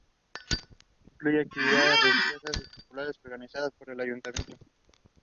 Incluye actividades religiosas y populares organizadas por el ayuntamiento.